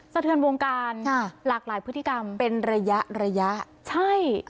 สะเทือนวงการหลากหลายพฤติกรรมเป็นระยะระยะใช่